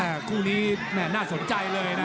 คู่นี้แม่น่าสนใจเลยนะ